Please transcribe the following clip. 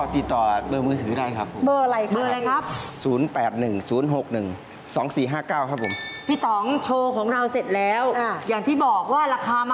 พี่เบนเธอเห็นไหมตรงนี้มันสำหรับข้าบใช่ไหม